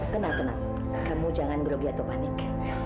tenang tenang kamu jangan grogi atau panik